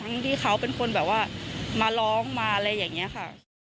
ที่เขาเป็นคนแบบว่ามาร้องมาอะไรอย่างนี้ค่ะ